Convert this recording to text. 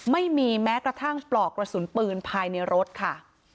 ไม่มีแม้กระทั่งปลอกกระสุนปืนภายในรถค่ะ